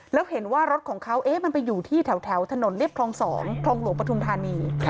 แล้วเห็นว่ารถของเขามันไปอยู่ที่แถวถนนเรียบคลอง๒คลองหลวงปฐุมธานี